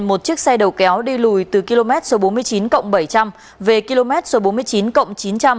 một chiếc xe đầu kéo đi lùi từ km số bốn mươi chín cộng bảy trăm linh về km số bốn mươi chín cộng chín trăm linh